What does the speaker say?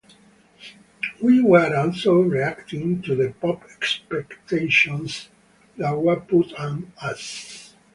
We were also reacting to the pop expectations that were put on us.